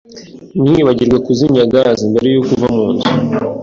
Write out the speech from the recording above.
Ntiwibagirwe kuzimya gaze mbere yuko uva munzu.